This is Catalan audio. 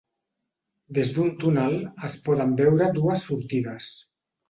Des d'un túnel es poden veure dues sortides